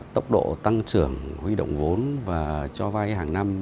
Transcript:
tốc độ tăng trưởng huy động vốn và cho vay hàng năm